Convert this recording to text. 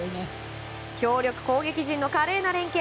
強力攻撃陣の華麗な連係。